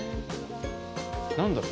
何だろう。